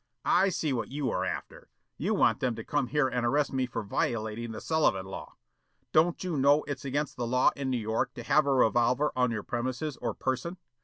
"I see what you are after. You want them to come here and arrest me for violating the Sullivan Law. Don't you know it's against the law in New York to have a revolver on your premises or person?